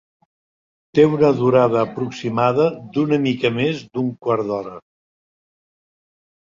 Té una durada aproximada d'una mica més d'un quart d'hora.